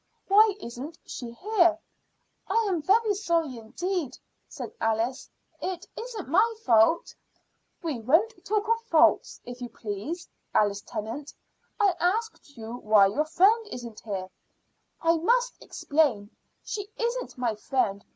Why isn't she here?" "I am very sorry indeed," said Alice; "it isn't my fault." "We won't talk of faults, if you please, Alice Tennant. I asked you why your friend isn't here." "I must explain. She isn't my friend.